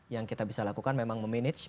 yang kita bisa lakukan memang memanage